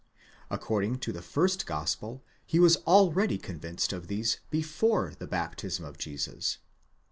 according to the first Gospel, he was already convinced of these before the baptism of Jesus.